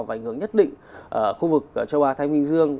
và ảnh hưởng nhất định ở khu vực châu á thái bình dương